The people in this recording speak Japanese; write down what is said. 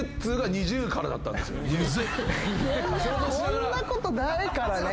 こんなことないからね。